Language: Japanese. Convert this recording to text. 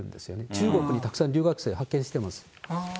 中国にたくさん留学生派遣してます。